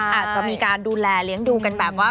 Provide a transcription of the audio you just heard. อาจจะมีการดูแลเลี้ยงดูกันแบบว่า